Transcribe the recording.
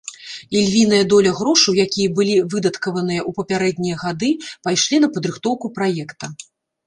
Ільвіная доля грошаў, якія былі выдаткаваныя ў папярэднія гады пайшлі на падрыхтоўку праекта.